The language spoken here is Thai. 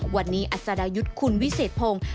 วันนี้อัศดายุทธ์คุณวิเศษพงศ์